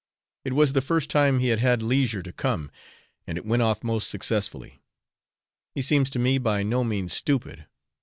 It was the first time he had had leisure to come, and it went off most successfully. He seems to me by no means stupid.